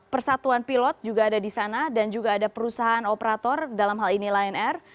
persatuan pilot juga ada di sana dan juga ada perusahaan operator dalam hal ini lion air